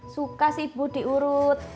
suka sih bu diurut